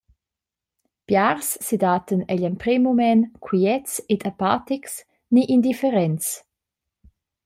Biars sedattan egl emprem mument quiets ed apatics ni indifferents.